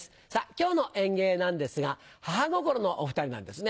今日の演芸なんですが母心のお２人なんですね。